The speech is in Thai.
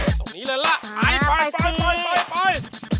ตรงนี้เลยละไปตรงนี้